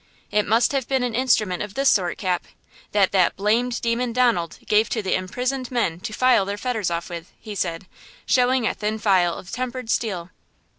"It must have been an instrument of this sort, Cap, that that blamed demon, Donald, gave to the imprisoned men to file their fetters off with!" he said, showing a thin file of tempered steel.